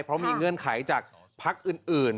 เพราะมีเงื่อนไขจากพักอื่น